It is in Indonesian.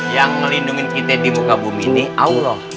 yang melindungi kita di muka bumi ini allah